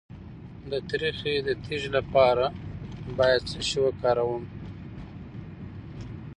د تریخي د تیږې لپاره باید څه شی وکاروم؟